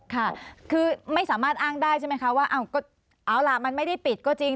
ค่ะคือไม่สามารถอ้างได้ใช่ไหมคะว่าเอาล่ะมันไม่ได้ปิดก็จริง